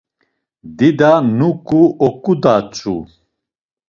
Dida nuǩu oǩudatsu.